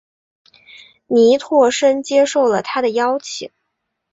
倪柝声接受了他的邀请。